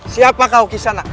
siapa kau kesana